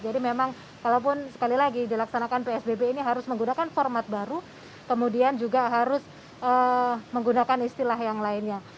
jadi memang kalau pun sekali lagi dilaksanakan psbb ini harus menggunakan format baru kemudian juga harus menggunakan istilah yang lainnya